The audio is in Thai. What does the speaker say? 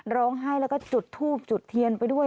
ร้องไห้แล้วก็จุดทูบจุดเทียนไปด้วย